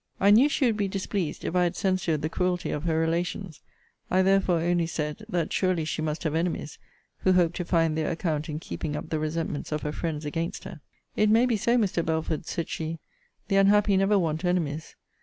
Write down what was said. I knew she would be displeased if I had censured the cruelty of her relations: I therefore only said, that surely she must have enemies, who hoped to find their account in keeping up the resentments of her friends against her. It may be so, Mr. Belford, said she: the unhappy never want enemies.